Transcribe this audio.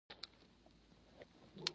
کاغذي پروسې باید کمې شي